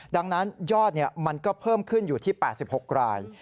ดังนั้นยอดมันก็เพิ่มขึ้นอยู่ที่๘๖ราย